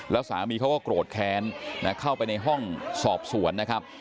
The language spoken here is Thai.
แล้วสามีเขาก็โกรธแค้นเข้าไปในห้องสอบสวนนะครับ